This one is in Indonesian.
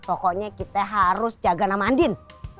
pokoknya kita harus jaga nama andin